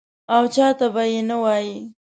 او چا ته به یې نه وایې.